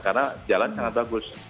jalan tol itu sangat bagus